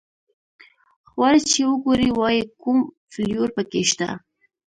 خواړه چې وګوري وایي کوم فلېور په کې شته.